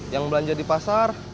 yang belanja di pasar